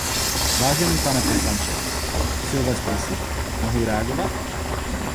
Vážený pane poslanče Silvestrisi, mohu reagovat?